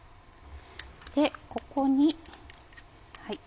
でここに。